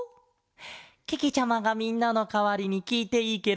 けけちゃまがみんなのかわりにきいていいケロ？